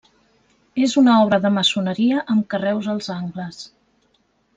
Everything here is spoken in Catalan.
És una obra de maçoneria amb carreus als angles.